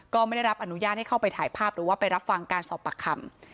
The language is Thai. ไม่ได้รับอนุญาตให้เข้าไปถ่ายภาพหรือว่าไปรับฟังการสอบปากคำ